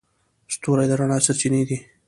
ستوري د رڼا سرچینې دي.